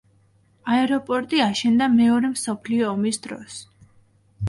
აეროპორტი აშენდა მეორე მსოფლიო ომის დროს.